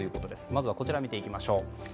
まずは、こちら見ていきましょう。